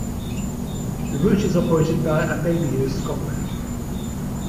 The route is operated by Abellio ScotRail.